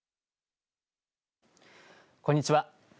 こんにちは。